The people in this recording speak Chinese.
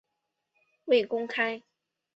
未公开